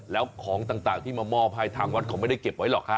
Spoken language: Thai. แล้วของต่างที่มามอบให้ทางวัดเขาไม่ได้เก็บไว้หรอกฮะ